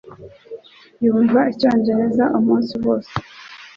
Yumva icyongereza umunsi wose